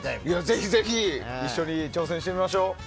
ぜひぜひ一緒に挑戦してみましょう。